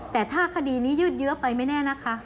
แต่ถ้าคดีนี้ยืดเยอะไปไม่แน่นะคะ